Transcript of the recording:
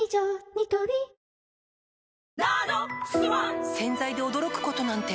ニトリ洗剤で驚くことなんて